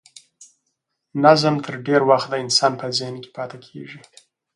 نظم تر ډېر وخت د انسان په ذهن کې پاتې کیږي.